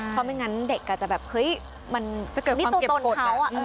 เพราะไม่งั้นเด็กก็จะแบบเฮ้ยนี่ตัวตนเขา